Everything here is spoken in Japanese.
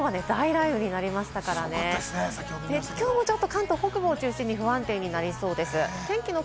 きのうは大雷雨になりましたからね、きょうも関東北部を中心に不安定になりそうです。